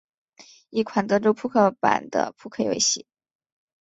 一款德州扑克版的扑克游戏。